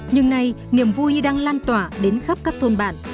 nhưng nay niềm vui đang lan tỏa đến khắp các thôn bản